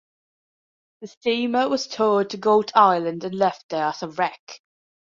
The steamer was towed to Goat Island and left there as a wreck.